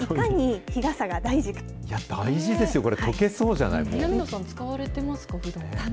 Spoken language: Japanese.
大事ですよ、これ、とけそう南野さん、使われてますか？